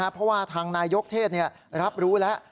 เพราะว่าทางนายยกเทศรับรู้แล้ว